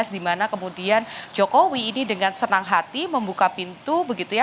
dimana kemudian jokowi ini dengan senang hati membuka pintu begitu ya